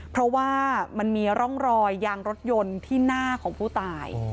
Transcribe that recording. เพราะว่ามันมีร่องรอยยางรถยนต์ที่หน้าของผู้ตาย